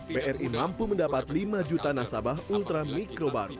bri mampu mendapat lima juta nasabah ultra mikro baru